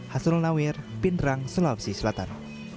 hasrul nawir pindrang sulawesi selatan